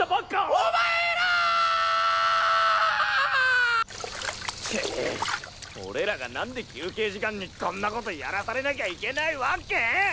おおお前ら！って俺らが何で休憩時間にこんなことやらされなきゃいけないわけ？